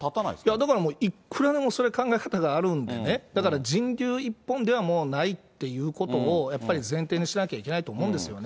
だからもう、いくらでも、それ、考え方があるんでね、だから人流一本ではもうないっていうことを、やっぱり前提にしなきゃいけないと思うんですよね。